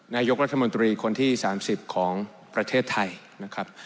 นายกรัฐมนตรีคนที่๓๐ของประเทศไทยนะครับ